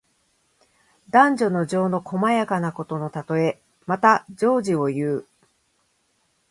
男女の情の細やかなことのたとえ。また、情事をいう。